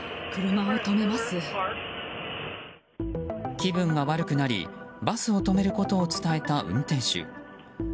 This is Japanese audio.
気分が悪くなりバスを止めることを伝えた運転手。